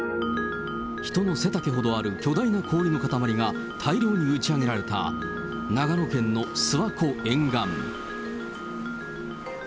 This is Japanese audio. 人の背丈ほどある巨大な氷の塊が大量に打ち上げられた長野県の諏訪湖沿岸。